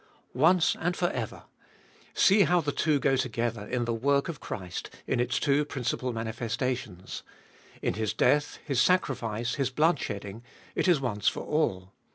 Once and for ever : see how the two go together in the work of Christ in its two principal manifestations. In His death, His sacrifice, His blood shedding, it is once for all.